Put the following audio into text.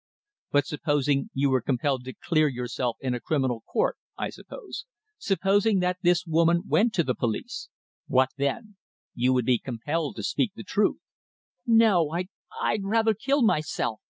"But supposing you were compelled to clear yourself in a criminal court," I said. "Supposing that this woman went to the police! What then? You would be compelled to speak the truth." "No. I I'd rather kill myself!"